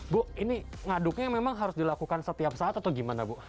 bu ini ngaduknya memang harus dilakukan setiap saat atau gimana bu